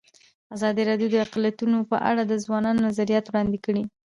ازادي راډیو د اقلیتونه په اړه د ځوانانو نظریات وړاندې کړي.